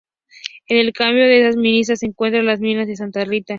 En el camino a estas minas se encuentran las minas de Santa Rita.